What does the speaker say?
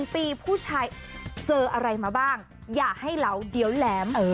๑ปีผู้ชายเจออะไรมาบ้างอย่าให้เหลาเดี๋ยวแหลม